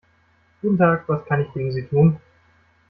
Guten Tag, was kann ich gegen Sie tun?